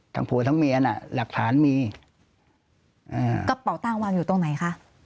ผัวทั้งเมียน่ะหลักฐานมีอ่ากระเป๋าตังค์วางอยู่ตรงไหนคะ